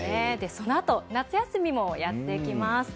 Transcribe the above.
そのあと、夏休みもやってきます。